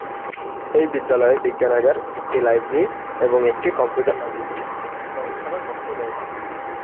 এই বিদ্যালয়ে বিজ্ঞানাগার, একটি লাইব্রেরী, একটি কম্পিউটার ল্যাবরেটরি, একটি কর্মশালা কক্ষ রয়েছে।